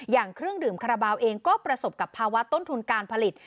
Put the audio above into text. อย่างเครื่องดื่มคาราบาลเองก็ประสบกับภาวะต้นทุนการผลิต